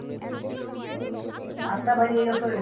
পরের সপ্তাহে যখন ট্রাক আসবে দিল্লি থেকে।